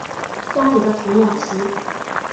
家里的童养媳